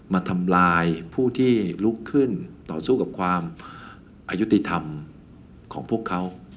มาทำลายผู้ที่ลุกขึ้นต่อสู้กับความอายุติธรรมของพวกเขา